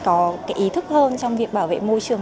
có cái ý thức hơn trong việc bảo vệ môi trường